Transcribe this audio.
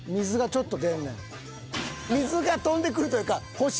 水が飛んでくるというか保湿。